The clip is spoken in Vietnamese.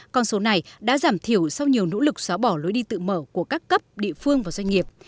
con số này đã giảm thiểu sau nhiều nỗ lực xóa bỏ lối đi tự mở của các cấp địa phương và doanh nghiệp